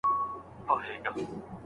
استاد باید تل د شاګرد د نظر درناوی وکړي.